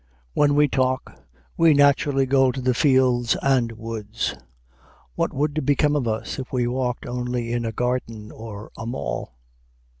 When we walk, we naturally go to the fields and woods: what would become of us, if we walked only in a garden or a mall?